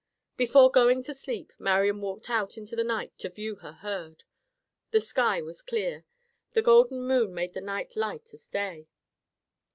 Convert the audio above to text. Before going to sleep, Marian walked out into the night to view her herd. The sky was clear. The golden moon made the night light as day.